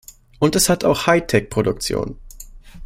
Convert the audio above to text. Und es hat auch Hightech-Produktion.